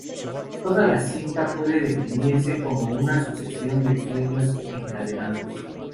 Toda la cinta puede definirse como una sucesión de sueños encadenados.